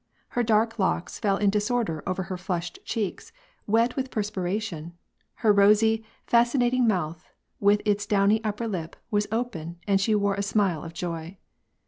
Her dark locks fell in aisorder over her flushed cheeks, wet with perspiration ; her rosy, fascinating mouth, with its downy upper lip, was open, and she wore a smile of joy.